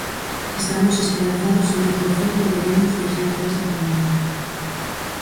Estamos esperanzados en que, por fin, poderemos deixar atrás a pandemia.